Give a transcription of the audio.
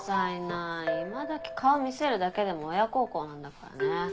今どき顔見せるだけでも親孝行なんだからね。